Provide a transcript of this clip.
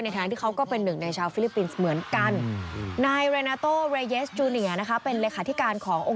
ทางที่เขาก็เป็นหนึ่งในชาวฟิลิปปินส์เหมือนกัน